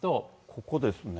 ここですね。